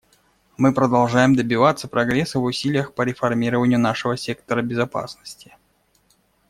Мы продолжаем добиваться прогресса в усилиях по реформированию нашего сектора безопасности.